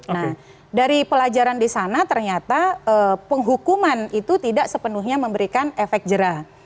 nah dari pelajaran di sana ternyata penghukuman itu tidak sepenuhnya memberikan efek jerah